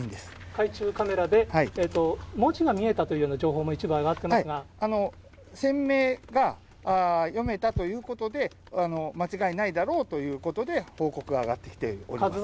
海中カメラで、文字が見えたというような情報も、一部上がっ船名が読めたということで、間違いないだろうということで、報告が上がってきております。